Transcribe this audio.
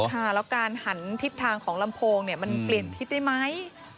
ค่ะแล้วการหันทิศทางของลำโพงเนี่ยมันเปลี่ยนทิศได้ไหม